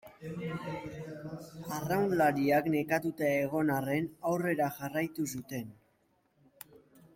Arraunlariak nekatuta egon arren aurrera jarraitu zuten.